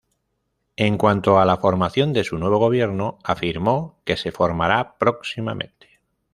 En cuanto a la formación de su nuevo gobierno, afirmó que se formará próximamente.